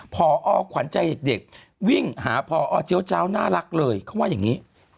พอขวัญใจเด็กวิ่งหาพอเจี๊ยเจ้าน่ารักเลยเขาว่าอย่างนี้